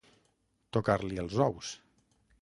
Tocar-li els ous.